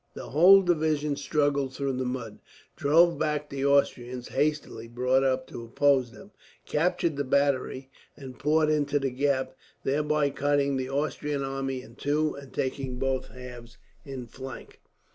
The whole division struggled through the mud, drove back the Austrians hastily brought up to oppose them, captured the battery, and poured into the gap; thereby cutting the Austrian army in two, and taking both halves in flank.